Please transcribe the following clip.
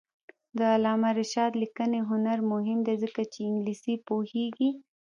د علامه رشاد لیکنی هنر مهم دی ځکه چې انګلیسي پوهېږي.